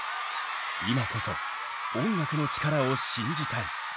今こそ音楽の力を信じたい。